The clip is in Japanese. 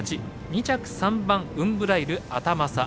２着、３番ウンブライルアタマ差。